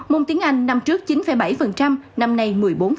môn tiếng anh năm trước chín bảy năm nay một mươi bốn